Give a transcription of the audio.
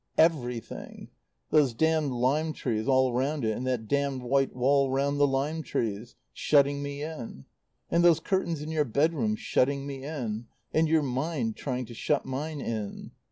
"Everything. Those damned lime trees all round it. And that damned white wall round the lime trees. Shutting me in. "And those curtains in your bed room. Shutting me in. "And your mind, trying to shut mine in.